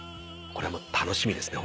これはもう楽しみですね。